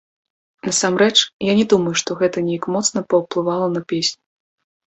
Насамрэч, я не думаю, што гэта неяк моцна паўплывала на песню.